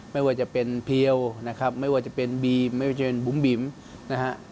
ไม่ว่าจะเป็นเพียวนะครับไม่ว่าจะเป็นบีมไม่ว่าจะเป็นบุ๋มบิ๋มนะฮะ